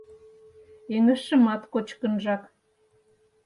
Эҥыжшымат кочкынжак